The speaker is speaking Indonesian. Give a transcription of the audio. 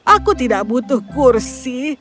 aku tidak butuh kursi